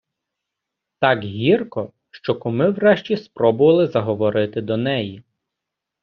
Так гірко, що куми врешті спробували заговорити до неї.